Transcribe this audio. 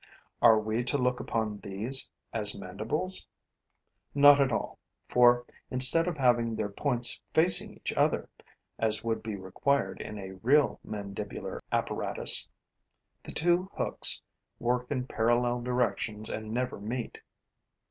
Are we to look upon these as mandibles? Not at all, for, instead of having their points facing each other, as would be required in a real mandibular apparatus, the two hooks work in parallel directions and never meet.